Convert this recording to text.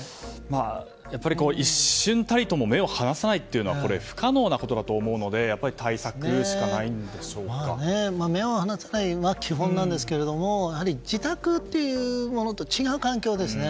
やっぱり一瞬たりとも目を離さないというのは不可能なことだと思うのでやっぱり目を離さないは基本なんですがやはり自宅というものと違う環境ですよね